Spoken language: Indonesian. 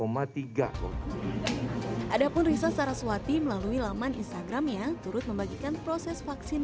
tiga wadah pun risa saraswati melalui laman instagram ya turut membagikan proses vaksin